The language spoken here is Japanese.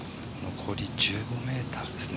残り１５ｍですね。